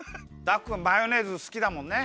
ダクくんマヨネーズすきだもんね？